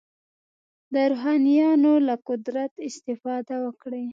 د روحانیونو له قدرت استفاده وکړي.